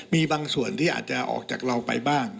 มีบางส่วนที่อาจจะออกจากเราไปบ้าง